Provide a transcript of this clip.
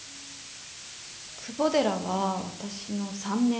久保寺は私の３年？